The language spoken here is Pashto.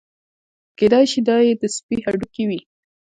کېدای شي دا یې د سپي هډوکي وي.